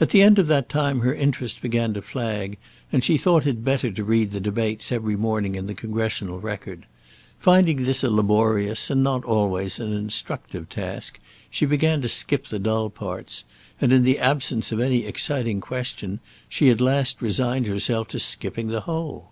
At the end of that time her interest began to flag, and she thought it better to read the debates every morning in the Congressional Record. Finding this a laborious and not always an instructive task, she began to skip the dull parts; and in the absence of any exciting question, she at last resigned herself to skipping the whole.